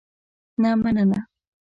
نه مننه.